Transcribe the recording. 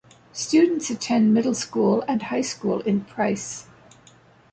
Students attend middle school and high school in Price.